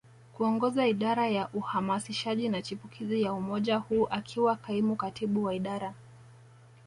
kuongoza Idara ya Uhamasishaji na Chipukizi ya umoja huu akiwa kaimu katibu wa idara